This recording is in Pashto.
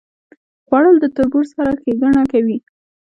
خوړل د تربور سره ښېګڼه کوي